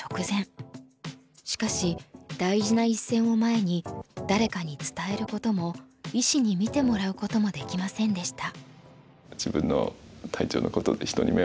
しかし大事な一戦を前に誰かに伝えることも医師に診てもらうこともできませんでした。